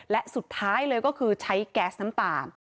และสุดท้ายเลยก็คือใช้แก๊สน้ำตา